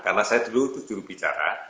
karena saya dulu itu juru bicara